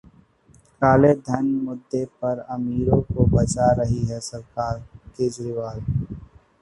काले धन मुद्दे पर अमीरों को बचा रही है सरकारः केजरीवाल